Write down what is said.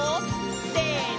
せの！